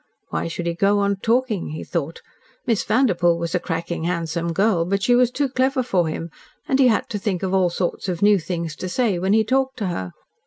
Why should he go on talking? he thought. Miss Vanderpoel was a cracking handsome girl, but she was too clever for him, and he had to think of all sorts of new things to say when he talked to her.